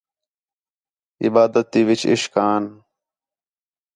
عبادت تی وِچ عِشق آن